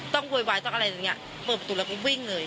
ต้องโหยวายต้องอะไรอย่างเงี้ยเปิดประตูแล้วมันวิ่งเลย